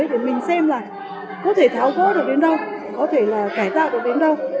để mình xem là có thể tháo gỡ được đến đâu có thể là cải tạo được đến đâu